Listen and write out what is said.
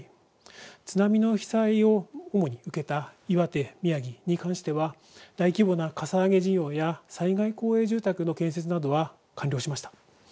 津波の被災を受けた岩手、宮城に関しては大規模なかさ上げ事業や災害公営住宅の建設などは完了しました。